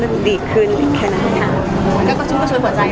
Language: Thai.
ก็ช่วยหัวใจแล้วเนาะ